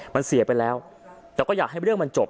มันเสียไปแล้วแต่ก็อยากให้เรื่องมันจบ